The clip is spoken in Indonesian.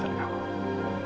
jangan lupa sholat